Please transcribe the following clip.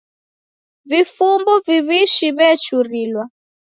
Vifumbu viw'ishi vechurilwa.